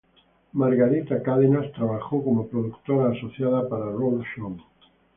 Margarita Cadenas trabajó como productora asociada para Roadshow.